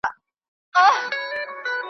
ځکه نو خپل لاسونه په رنګونو ولړي .